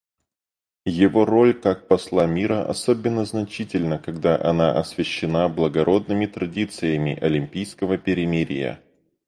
Его роль как посла мира особенно значительна, когда она освящена благородными традициями «олимпийского перемирия».